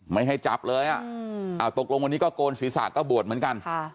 ไม่ให้จับเลยตกลงวันนี้ก็โกนศีรษะก็บวชเหมือนกัน